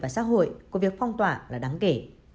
xã hội của việc phong tỏa là đáng kể